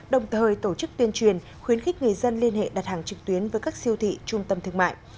đồng thời tổ chức tuyên truyền khuyến khích người dân liên hệ đặt hàng trực tuyến với các siêu thị trung tâm thương mại